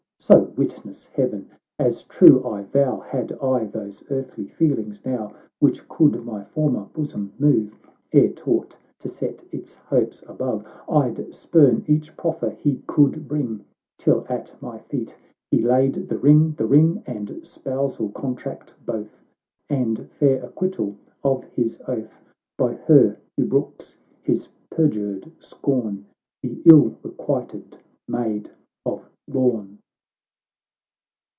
— So witness Heaven, as true I vow, Had I those earthly feelings now, Which could my former bosom move Ere taught to set its hopes above, I'd spurn each proffer he could bring, Till at my feet he laid the ring, The ring and spousal contract both, And fair acquittal of his oath, By her who brooks his perjured scorn, The ill requited Maid of Lorn